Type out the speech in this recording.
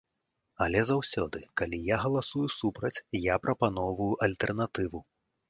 Але заўсёды, калі я галасую супраць, я прапаноўваю альтэрнатыву.